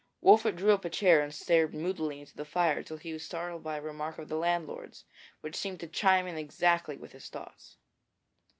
Wolfert drew up a chair and stared moodily into the fire till he was startled by a remark of the landlord's, which seemed to chime in exactly with his thoughts.